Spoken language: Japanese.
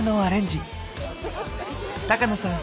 高野さん